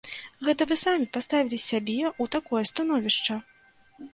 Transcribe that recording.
Гэта вы самі паставілі сябе ў такое становішча!